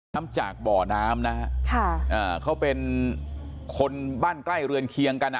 น้ำจากบ่อน้ำนะฮะค่ะอ่าเขาเป็นคนบ้านใกล้เรือนเคียงกันอ่ะ